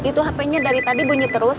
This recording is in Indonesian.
dek dek itu hapenya dari tadi bunyi terus